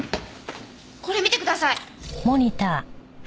これ見てください！